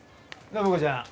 暢子ちゃん